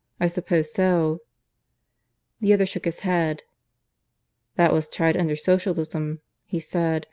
I suppose so." The other shook his head. "That was tried under Socialism," he said.